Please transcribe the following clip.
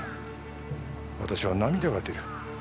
私は涙が出る。